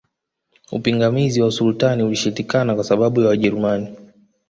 Upingamizi wa Sultani ulishindikana kwa sababu ya Wajerumani